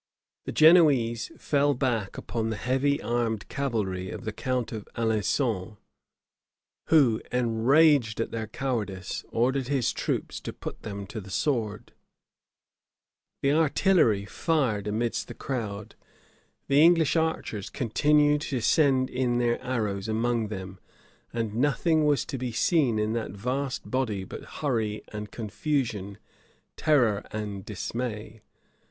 The Genoese fell back upon the heavy armed cavalry of the count of Alençon;[*] who, enraged at their cowardice, ordered his troops to put them to the sword. * Froissard, liv. i. chap. 130. The artillery fired amidst the crowd; the English archers continued to send in their arrows among them; and nothing was to be seen in that vast body but hurry and confusion, terror and dismay.